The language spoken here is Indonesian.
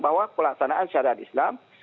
bahwa pelaksanaan syariat islam